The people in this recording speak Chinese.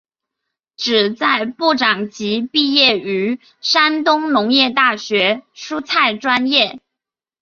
旨在部长级毕业于山东农业大学蔬菜专业。